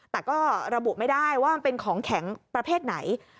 แต่ก็ระบุไม่ได้ว่ามันเป็นของแข็งประเภทไหน